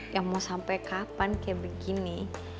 yang mau sampai kapan kayak begini